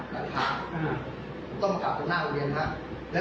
และหลานจำผมไม่ได้